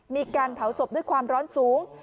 มีการเผาศพด้วยความร้อนสูง